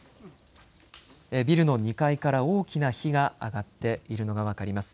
ビルの２階から大きな火が上がっているのが分かります。